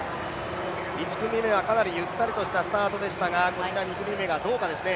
１組目はかなりゆったりとしたペースでしたが、こちら２組目はどうかというところですね。